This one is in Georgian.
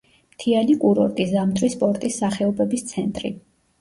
მთიანი კურორტი, ზამთრის სპორტის სახეობების ცენტრი.